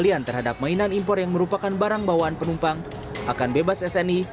pembelian terhadap mainan impor yang merupakan barang bawaan penumpang akan bebas sni